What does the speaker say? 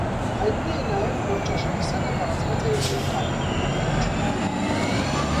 Հայտնի է նաև, որ ճաշատեսակը տարածված է եղել կալեների (գնչուների) մոտ։